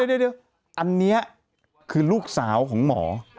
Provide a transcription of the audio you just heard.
เดี๋ยวอันนี้คือลูกสาวของหมอ